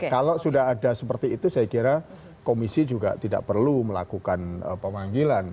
kalau sudah ada seperti itu saya kira komisi juga tidak perlu melakukan pemanggilan